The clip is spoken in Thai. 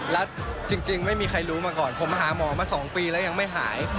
แล้วจริงไม่มีใครรู้มาก่อนผมหาหมอมา๒ปีแล้วยังไม่หาย